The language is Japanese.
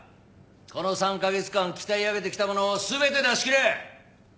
この３カ月間鍛え上げてきたものを全て出しきれ！